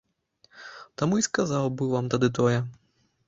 Таму і сказаў быў вам тады тое.